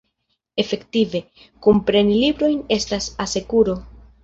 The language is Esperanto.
Efektive, kunpreni librojn estas asekuro.